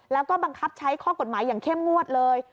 แล้วก็บังคับใช้ข้อกฎหมายอย่างเข้มงวดเลย